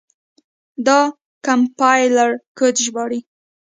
دا کمپایلر کوډ ژباړي.